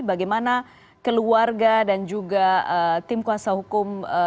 bagaimana keluarga dan juga tim kuasa hukum dari brigadir yosua